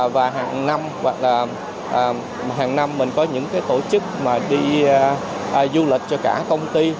và hàng năm mình có những tổ chức đi du lịch cho cả công ty